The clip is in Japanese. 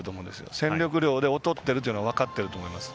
戦力量で劣っているのは分かってると思います。